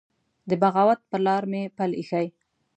د بغاوت پر لار مي پل يښی